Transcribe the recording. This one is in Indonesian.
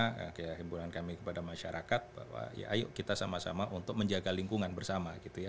yang diperlukan dari masyarakat ya kebunan kami kepada masyarakat bahwa ya ayo kita sama sama untuk menjaga lingkungan bersama gitu ya